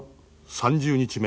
３０日目